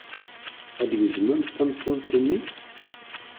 Ad d-gezmemt tamtunt-nni?